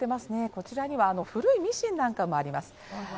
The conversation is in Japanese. こちらには古いミシンなんかもあります。